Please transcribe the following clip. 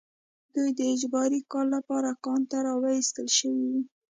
دوی د اجباري کار لپاره کان ته راوستل شوي وو